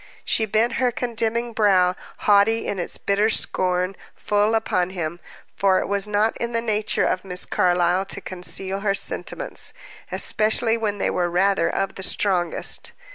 She bent her condemning brow, haughty in its bitter scorn, full upon him, for it was not in the nature of Miss Carlyle to conceal her sentiments, especially when they were rather of the strongest.